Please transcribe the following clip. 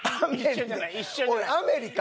『アメリ』か？